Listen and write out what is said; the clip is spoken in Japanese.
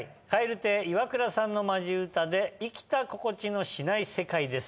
蛙亭イワクラさんのマジ歌で『生きた心地のしない世界』です。